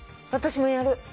私もやる。